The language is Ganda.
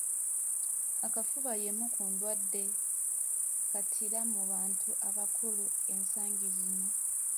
Akafuba y’emu ku ndwadde kattira mu bantu abakulu ensangi zino.